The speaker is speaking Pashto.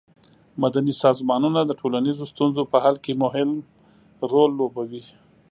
مدني سازمانونه د ټولنیزو ستونزو په حل کې مهم رول لوبوي.